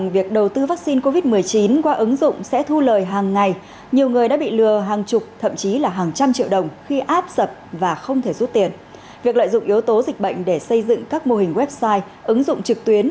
việc lợi dụng yếu tố dịch bệnh để xây dựng các mô hình website ứng dụng trực tuyến